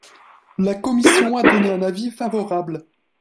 La commission a donné un avis favorable.